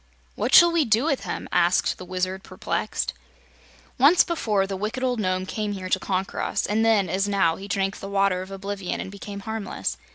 "What shall we do with him?" asked the Wizard, perplexed. "Once before the wicked old Nome came here to conquer us, and then, as now, he drank of the Water of Oblivion and became harmless.